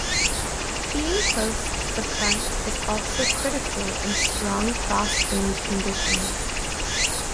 Being close to the front is also critical in strong crosswind conditions.